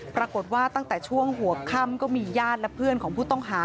ปรากฏว่าตั้งแต่ช่วงหัวค่ำก็มีญาติและเพื่อนของผู้ต้องหา